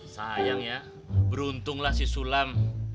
sayangnya beruntunglah si sulam